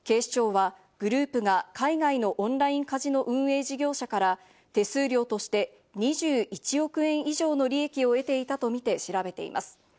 警視庁はグループが海外のオンラインカジノ運営事業者から手数料として２１億円以上の利益を得ていたとみて調べています。